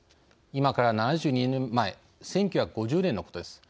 今から７２年前１９５０年のことです。